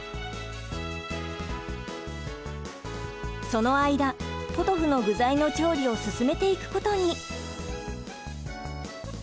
その間ポトフの具材の調理を進めていくことに。